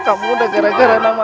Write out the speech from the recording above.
kamu udah gara gara nama aku dah